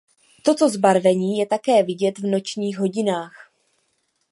Toto zbarvení je také vidět v nočních hodinách.